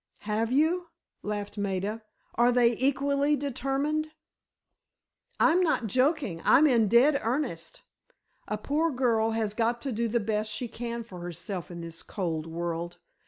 "Have you?" laughed Maida. "Are they equally determined?" "I'm not joking—I'm in dead earnest. A poor girl has got to do the best she can for herself in this cold world.